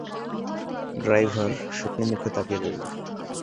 Driver শুকনো মুখে তাকিয়ে রইল।